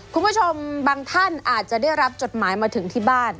คุณผู้ชมบางท่านอาจจะได้รับจดหมายมาถึงที่บ้าน